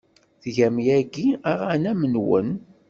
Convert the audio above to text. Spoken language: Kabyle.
Tgam yagi aɣanen-nwen?